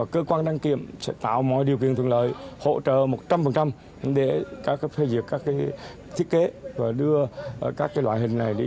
có hai biển số xanh tám mươi b và ba mươi năm a